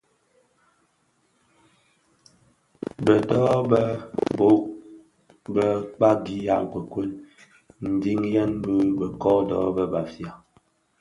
Bë dho be bō bhög bi kpagi a nkokuel ndiňiyèn bi bë kodo bë Bafia.